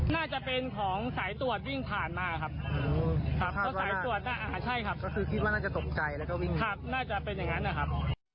น่าจะเป็นอย่างนั้นครับ